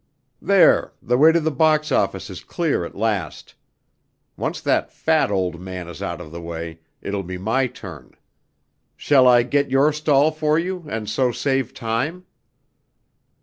"There, the way to the box office is clear at last. Once that fat old man is out of the way, it will be my turn. Shall I get your stall for you, and so save time?"